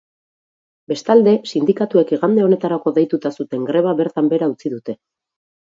Bestalde, sindikatuek igande honetarako deituta zuten greba bertan behera utzi dute.